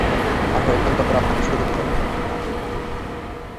আর কয়েক ঘণ্টা পরে আপনাকে ছেড়ে দেবে ওরা।